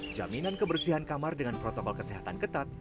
jaminan kebersihan kamar dengan protokol kesehatan ketat